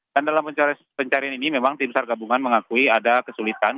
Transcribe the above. dan dalam proses pencarian ini memang tim saral gabungan mengakui ada kesulitan